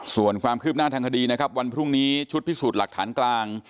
ส่วนความคืบหน้าทางคดีนะครับวันพรุ่งนี้ชุดพิสูจน์หลักฐานกลาง